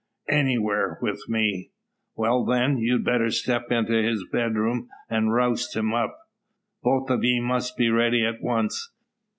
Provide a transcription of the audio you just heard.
"Anywhere, with me." "Well, then, you'd better step into his bedroom, and roust him up. Both of ye must be ready at once.